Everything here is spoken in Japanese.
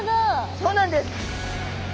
そうなんです。